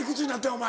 お前。